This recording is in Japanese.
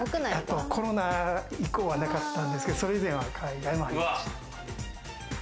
コロナ以降はなかったんですけど、それ以前はありました。